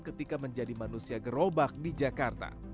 ketika menjadi manusia gerobak di jakarta